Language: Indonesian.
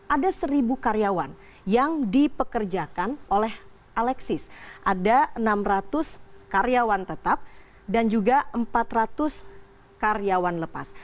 ada seribu karyawan yang dipekerjakan oleh alexis ada enam ratus karyawan tetap dan juga empat ratus karyawan lepas